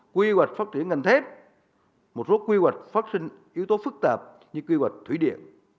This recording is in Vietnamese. quy hoạch phát triển ngành thép một số quy hoạch phát sinh yếu tố phức tạp như quy hoạch thủy điện